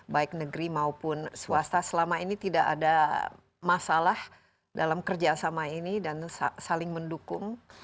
baik negeri maupun swasta selama ini tidak ada masalah dalam kerjasama ini dan saling mendukung